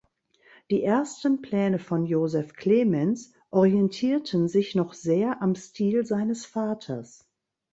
Die ersten Pläne von Joseph Clemens orientierten sich noch sehr am Stil seines Vaters.